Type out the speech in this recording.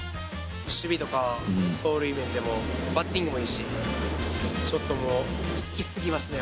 守備とか、走塁面でも、バッティングもいいし、ちょっと好きすぎますね。